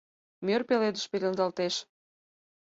Мӧр пеледыш пеледалтеш.